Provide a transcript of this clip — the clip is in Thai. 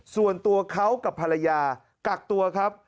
ส่วนตัวเขากับภรรยากักตัวครับ